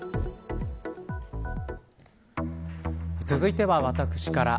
続いては私から。